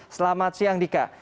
selamat siang dika